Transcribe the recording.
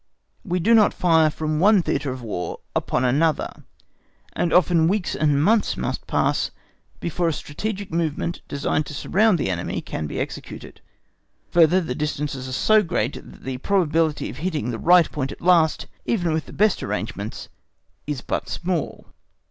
We do not fire from one theatre of war upon another; and often weeks and months must pass before a strategic movement designed to surround the enemy can be executed. Further, the distances are so great that the probability of hitting the right point at last, even with the best arrangements, is but small.